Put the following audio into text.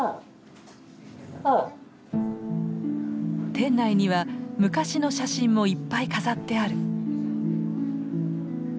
店内には昔の写真もいっぱい飾ってある。